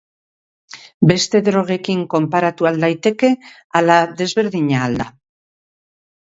Beste drogekin konparatu al daiteke, ala desberdina al da?